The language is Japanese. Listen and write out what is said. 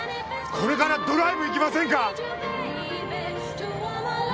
これからドライブ行きませんか？